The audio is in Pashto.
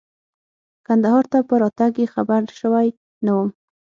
کندهار ته په راتګ یې خبر شوی نه وم.